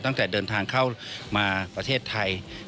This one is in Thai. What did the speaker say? ตั้งแต่เดินทางเข้ามาประเทศไทย